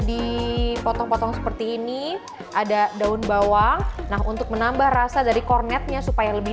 dipotong potong seperti ini ada daun bawang nah untuk menambah rasa dari kornetnya supaya lebih